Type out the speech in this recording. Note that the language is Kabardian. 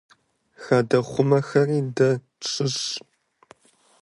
Хадэхъумэхэри дэ тщыщщ.